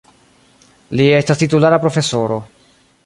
Li estas titulara profesoro.